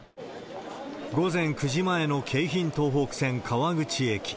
午前９時前の京浜東北線川口駅。